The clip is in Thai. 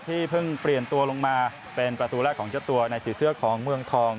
เพิ่งเปลี่ยนตัวลงมาเป็นประตูแรกของเจ้าตัวในสีเสื้อของเมืองทอง